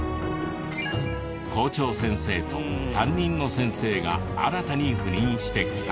校長先生と担任の先生が新たに赴任してきた。